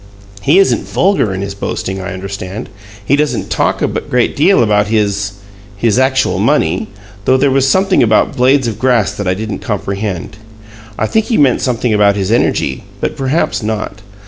He isn't vulgar in his boasting, I understand; he doesn't talk a great deal about his his actual money though there was something about blades of grass that I didn't comprehend. I think he meant something about his energy but perhaps not.